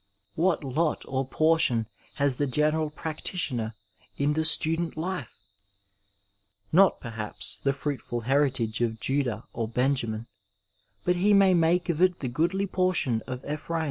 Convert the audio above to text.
What lot or portion has the general practitioner in the student life ! Not, perhaps, the fruitful heritage of Judah or Benjamin but he may make of it the goodly portion of Ephraim.